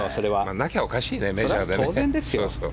なきゃおかしいですからね。